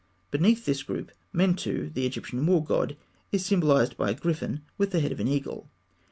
Beneath this group, Mentû, the Egyptian war god, is symbolised by a griffin with the head of an eagle.